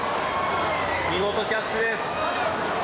見事キャッチです。